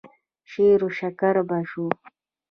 شېروشکر به شو.